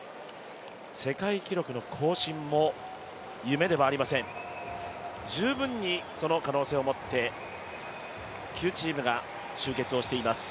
世界記録の更新も夢ではありません、十分にその可能性を持って９チームが集結をしています。